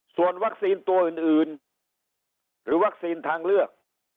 ส่วนวัคซีนตัวอื่นหรือวัคซีนทางเลือก